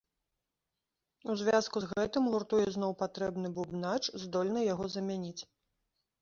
У звязку з гэтым гурту ізноў патрэбны бубнач, здольны яго замяніць.